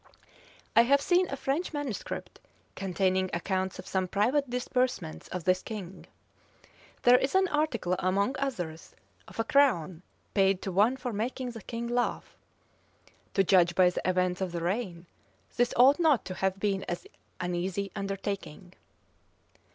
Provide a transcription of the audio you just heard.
I have seen a French manuscript, containing accounts of some private disbursements of this king. There is an article, among others, of a crown paid to one for making the king laugh. To judge by the events of the reign, this ought not to have been an easy undertaking.